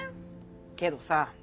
けどさ